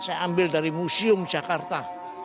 saya ambil dari museum jakarta